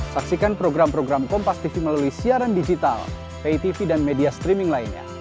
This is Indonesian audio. saksikan program program kompastv melalui siaran digital pitv dan media streaming lainnya